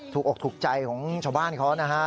อกถูกใจของชาวบ้านเขานะฮะ